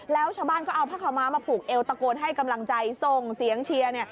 แล้วข้าวบ้านก็มาเอาพระข้าวมาถูกเอลตะโกนให้กำลังใจส่งเสียงเชียร์